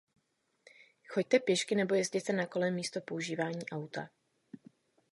Chodte pěšky nebo jezděte na kole místo používání auta.